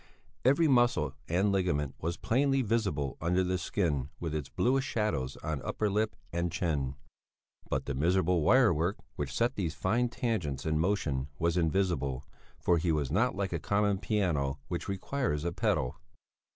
Every muscle and ligament was plainly visible under the skin with its bluish shadows on upper lip and chin, but the miserable wire work which set these fine tangents in motion was invisible, for he was not like a common piano which requires a pedal.